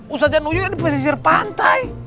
ustaz zanuyui ada di pesisir pantai